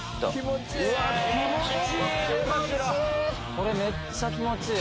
これめっちゃ気持ちいい！